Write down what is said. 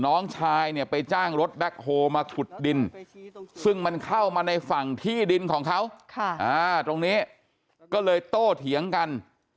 น้องชายเนี่ยไปจ้างรถแบ็คโฮมาขุดดินซึ่งมันเข้ามาในฝั่งที่ดินของเขาตรงนี้ก็เลยโตเถียงกัน